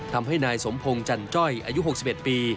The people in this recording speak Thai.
ทำให้นายสมพงศ์จันจ้อยอายุ๖๑ปี